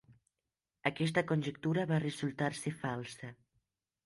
Aquesta conjectura va resultar ser falsa.